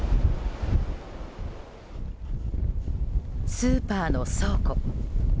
スーパーの倉庫。